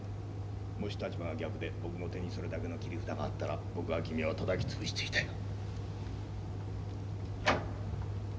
もし立場が逆で僕も手にするだけの切り札があったら僕は君をたたき潰していたよ。